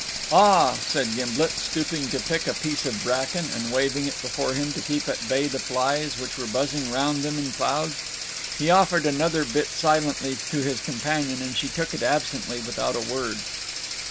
"Ah," said Gimblet, stooping to pick a piece of bracken, and waving it before him to keep at bay the flies, which were buzzing round them in clouds. He offered another bit silently to his companion, and she took it absently, without a word.